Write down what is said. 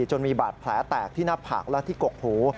จนมีบาดแผลแตกที่หน้าผากและที่กกหู